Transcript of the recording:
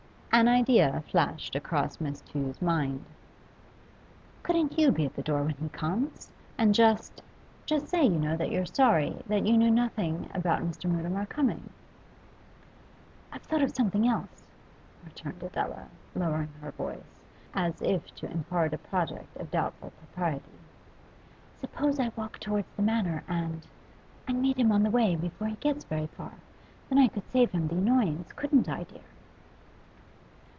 An idea flashed across Miss Tew's mind. 'Couldn't you be at the door when he comes, and just just say, you know, that you're sorry, that you knew nothing about Mr. Mutimer coming?' 'I've thought of something else,' returned Adela, lowering her voice, as if to impart a project of doubtful propriety. 'Suppose I walk towards the Manor and and meet him on the way, before he gets very far? Then I could save him the annoyance, couldn't I, dear?